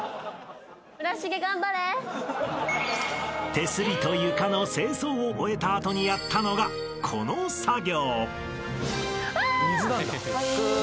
［手すりと床の清掃を終えた後にやったのがこの作業］